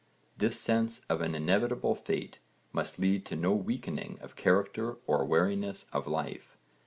This sense of an inevitable fate must lead to no weakening of character or weariness of life.